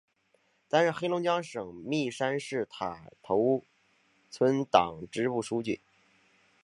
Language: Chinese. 担任黑龙江省密山市塔头村党支部书记。